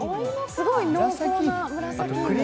すごい濃厚な紫芋。